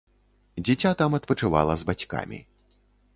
Дзіця там адпачывала з бацькамі.